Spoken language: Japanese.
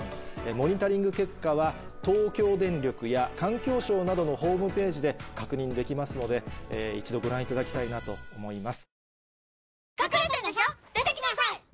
モニタリング結果は東京電力や環境省などのホームページで確認できますので一度ご覧いただきたいなと思います。